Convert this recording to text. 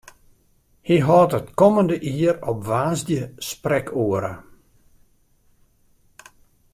Hy hâldt it kommende jier op woansdei sprekoere.